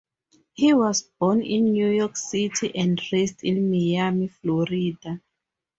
He was born in New York City and raised in Miami, Florida.